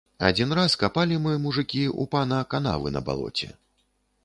Адзін раз капалі мы, мужыкі, у пана канавы на балоце.